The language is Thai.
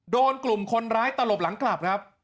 โดนกลุ่มคนร้ายตลบหลังกลับครับ